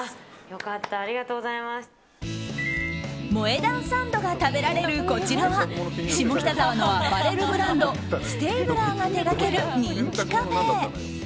萌え断サンドが食べられるこちらは下北沢のアパレルブランドステイブラーが手掛ける人気カフェ。